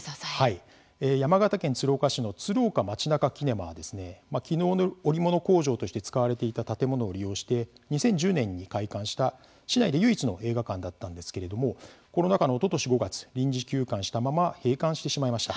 山形県鶴岡市の「鶴岡まちなかキネマ」は絹織物工場として使われていた建物を利用して２０１０年に開館した市内で唯一の映画館だったんですけれどもコロナ禍のおととし５月臨時休館したまま閉館してしまいました。